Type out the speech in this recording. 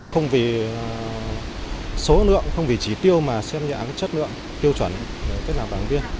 không vì số lượng không vì trí tiêu mà xem nhận chất lượng tiêu chuẩn để kết nạp đảng viên